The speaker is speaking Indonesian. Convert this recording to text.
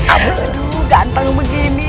aduh ganteng begini